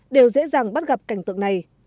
đều dễ dàng bắt gặp cảnh tượng này